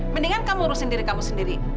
mendingan kamu ngurusin diri kamu sendiri